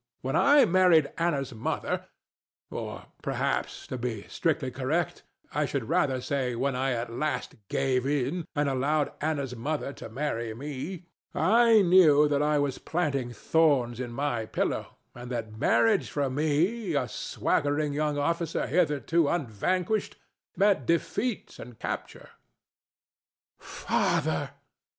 When I married Ana's mother or perhaps, to be strictly correct, I should rather say when I at last gave in and allowed Ana's mother to marry me I knew that I was planting thorns in my pillow, and that marriage for me, a swaggering young officer thitherto unvanquished, meant defeat and capture. ANA. [scandalized] Father!